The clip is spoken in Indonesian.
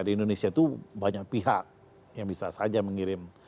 di indonesia itu banyak pihak yang bisa saja mengirim